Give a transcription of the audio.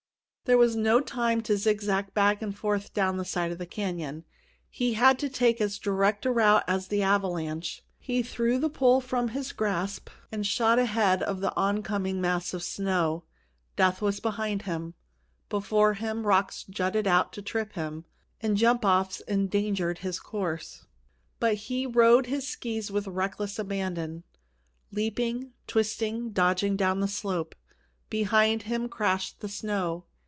There was no time to zigzag back and forth down the side of the canyon; he had to take as direct a route as the avalanche. He threw his pole from his grasp and shot ahead of the oncoming mass of snow. Death was behind him. Before him rocks jutted out to trip him, and jump offs endangered his course. [Illustration: HE SWUNG DOWN THE TRAIL WITH A SPEED THAT MOCKED THE WIND AT HIS BACK] But he rode his skis with reckless abandon, leaping, twisting, dodging down the slope. Behind him crashed the snow.